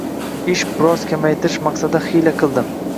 Ish biroz kamaytirish maqsadida hiyla qildim.